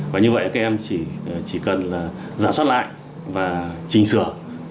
và như vậy các em chỉ cần giả soát lại và chỉnh sửa